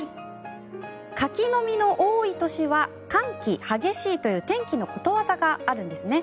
柿の実の多い年は寒気激しいという天気のことわざがあるんですね。